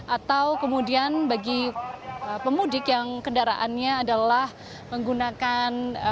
atau kemudian bagi pemudik yang kendaraannya adalah menggunakan